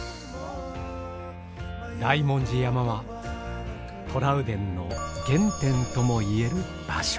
大文字山はトラウデンの原点ともいえる場所。